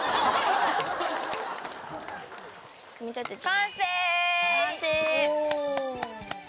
完成！